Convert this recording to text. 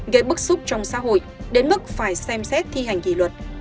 gây bức xúc trong xã hội đến mức phải xem xét thi hành kỷ luật